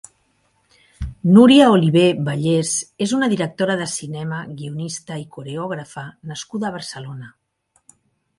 Núria Olivé-Bellés és una directora de cinema, guionista i coreògrafa nascuda a Barcelona.